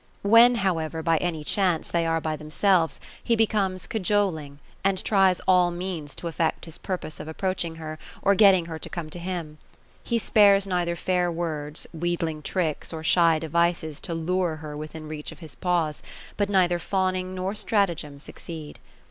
When, however, by any chance, they are by themselves, he becomes cajoling, and tries all means to effect his purpose of approaching her, or getting her to come to him. Ue spares neither fair words, wheedling tricks, or shy devices, to lure her within reach of his paws ; but neither fawning nor stratagem succeed.